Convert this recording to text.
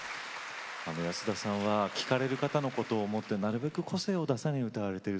安田さんは聴かれる方のことを思ってなるべく個性を出さないように歌われてる。